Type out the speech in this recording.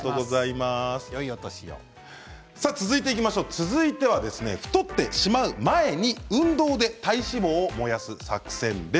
続いては太ってしまう前に運動で体脂肪を燃やす作戦です。